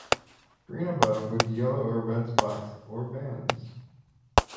Green above, with yellow or red spots or bands.